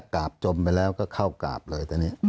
กลับจมไปแล้วก็เข้ากลับเลย